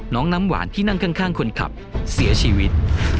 น้ำหวานที่นั่งข้างคนขับเสียชีวิต